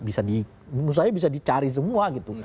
bisa di misalnya bisa dicari semua gitu